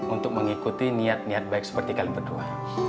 untuk mengikuti niat niat baik seperti kalian berdua